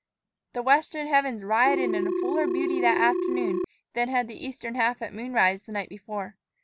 The western heavens rioted in a fuller beauty that afternoon than had the eastern half at moon rise the night before.